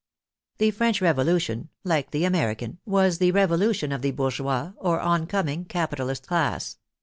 The French Revolution, like the American, w^as the revolution of the bourgeois or oncoming capitalist class.